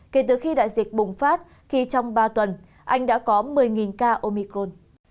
kể từ khi đại dịch bùng phát khi trong ba tuần anh đã có một mươi ca omicron